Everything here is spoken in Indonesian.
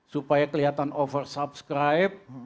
supaya kelihatan over subscribe